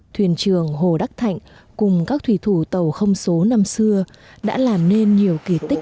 thuyền trường hồ đắc thạnh cùng các thủy thủ tàu không số năm xưa đã làm nên nhiều kỳ tích